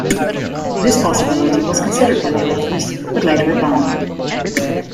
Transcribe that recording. This possibility was considered by the authors but later abandoned.